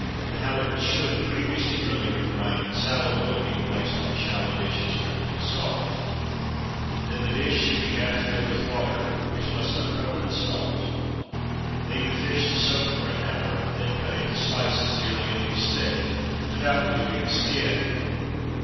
The halibut should, previous to grilling or frying in salad oil, be placed on a shallow dish and sprinkled with salt. Then the dish should be half filled with water, which must not cover the salt. Leave the fish to soak for an hour, then cut into slices, nearly an inch thick, without removing the skin.